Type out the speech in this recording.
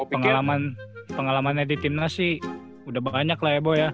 pengalaman pengalamannya di timnya sih udah banyak lah ya bo ya